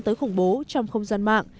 tới khủng bố trong không gian mạng